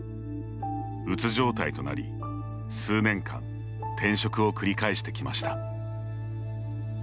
うつ状態となり、数年間転職を繰り返してきました。